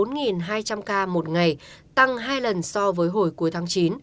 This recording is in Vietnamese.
tăng một ngày tăng hai lần so với hồi cuối tháng chín